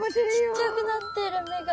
ちっちゃくなってる目が。